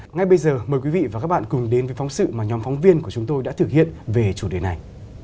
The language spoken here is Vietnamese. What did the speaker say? ngay bây giờ mời quý vị và các bạn cùng đến với phóng sự mà nhóm phóng viên của chúng tôi đã thực hiện về chủ đề này